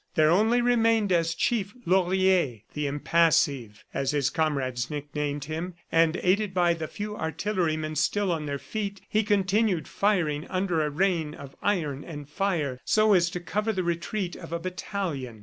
There only remained as chief, Laurier, the Impassive (as his comrades nicknamed him), and aided by the few artillerymen still on their feet, he continued firing under a rain of iron and fire, so as to cover the retreat of a battalion.